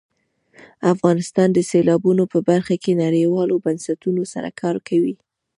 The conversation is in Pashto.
افغانستان د سیلابونو په برخه کې نړیوالو بنسټونو سره کار کوي.